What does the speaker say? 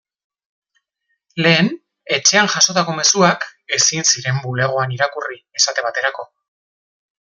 Lehen, etxean jasotako mezuak ezin ziren bulegoan irakurri, esate baterako.